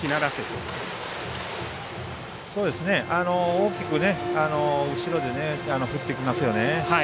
大きく後ろで振ってきますよね。